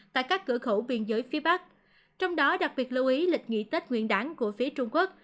tại các cửa khẩu biên giới phía bắc trong đó đặc biệt lưu ý lịch nghị tết nguyện đảng của phía trung quốc